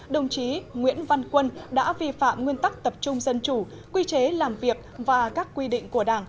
đồng chí nguyễn văn quân đã vi phạm nguyên tắc tập trung dân chủ quy chế làm việc và các quy định của đảng